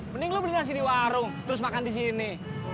mending lu beli nasi di warung terus makan di sini